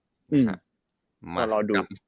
อืมแต่รอดู